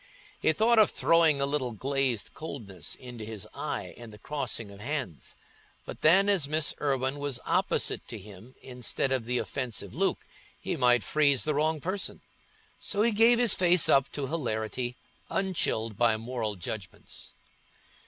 He thought of throwing a little glazed coldness into his eye in the crossing of hands; but then, as Miss Irwine was opposite to him instead of the offensive Luke, he might freeze the wrong person. So he gave his face up to hilarity, unchilled by moral judgments.